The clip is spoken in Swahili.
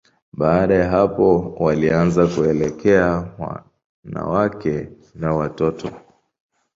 Baada ya hapo, walianza kuelekea wanawake na watoto.